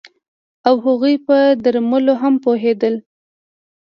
او هغوی په درملو هم پوهیدل